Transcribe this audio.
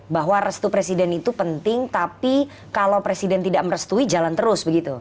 jadi itu penting tapi kalau presiden tidak merestui jalan terus begitu